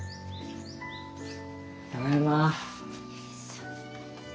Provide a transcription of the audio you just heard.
ただいま。